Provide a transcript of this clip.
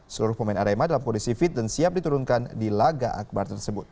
seluruh pemain arema dalam kondisi fit dan siap diturunkan di laga akbar tersebut